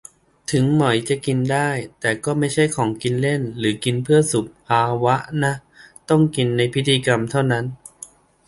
ถึงหมอยจะกินได้ แต่ก็ไม่ใช่ของกินเล่น หรือกินเพื่อสุขภาวะนะ ต้องกินในพิธีกรรมเท่านั้น